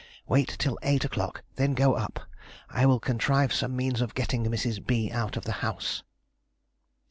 Wait till eight o'clock, then go up. I will contrive some means of getting Mrs. B out of the house."